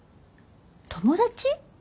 友達？